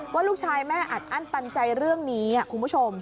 ว่าลูกชายแม่อัดอั้นตันใจเรื่องนี้คุณผู้ชม